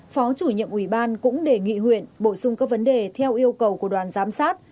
phó chủ nhiệm ủy ban cũng đề nghị huyện bổ sung các vấn đề theo yêu cầu của đoàn giám sát